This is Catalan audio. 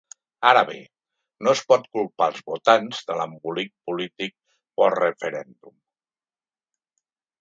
Ara bé, no es pot culpar els votants de l’embolic polític post-referèndum.